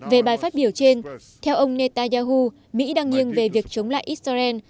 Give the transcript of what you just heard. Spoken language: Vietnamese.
về bài phát biểu trên theo ông netanyahu mỹ đang nghiêng về việc chống lại israel